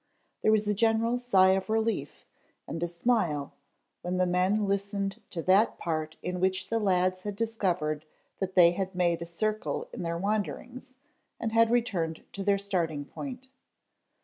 There was a general sigh of relief and a smile when the men listened to that part in which the lads had discovered that they had made a circle in their wanderings and had returned to their starting point.